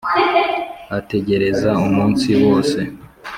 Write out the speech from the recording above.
ategereza umunsi wose